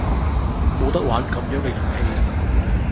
冇得玩噉樣嘅遊戲